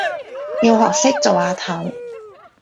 要學識做阿頭